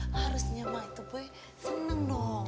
harusnya ma itu boy seneng dong